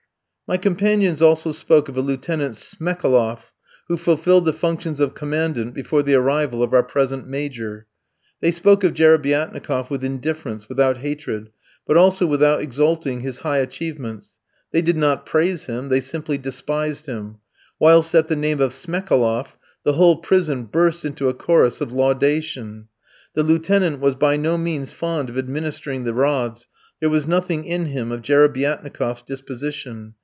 My companions also spoke of a Lieutenant Smekaloff, who fulfilled the functions of Commandant before the arrival of our present Major. They spoke of Jerebiatnikof with indifference, without hatred, but also without exalting his high achievements. They did not praise him, they simply despised him, whilst at the name of Smekaloff the whole prison burst into a chorus of laudation. The Lieutenant was by no means fond of administering the rods; there was nothing in him of Jerebiatnikof's disposition.